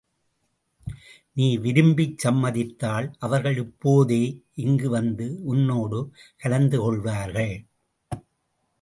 நீ விரும்பிச் சம்மதித்தால் அவர்கள் இப்போதே இங்கு வந்து உன்னோடு கலந்து கொள்வார்கள்.